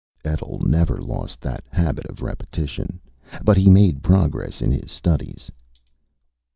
Etl never lost that habit of repetition. But he made progress in his studies.